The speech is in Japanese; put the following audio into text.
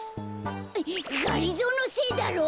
がりぞーのせいだろ！